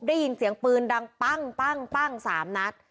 ได้ยินเสียงปืนดังปั้ง๓นัด